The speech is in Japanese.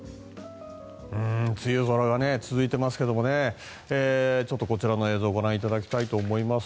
梅雨空が続いていますがちょっとこちらの映像をご覧いただきたいと思います。